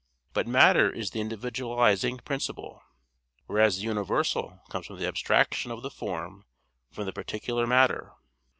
But matter is the individualizing principle: whereas the universal comes from the abstraction of the form from the particular matter.